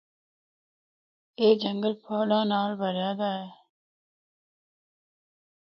اے جنگل پھُلاں نال بھریا دا اے۔